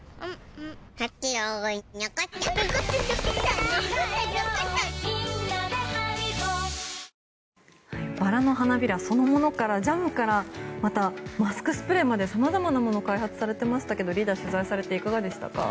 サントリー「ＶＡＲＯＮ」バラの花びらそのものからジャムからまたマスクスプレーまで様々なものを開発されてましたがリーダー、取材されていかがでしたか。